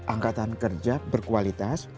angkatan kerja berkualitas